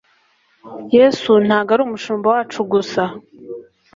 Yesu ntabwo ari umushumba wacu gusa,